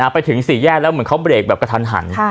ไปถึงสี่แยกแล้วเหมือนเขาเบรกแบบกระทันหัน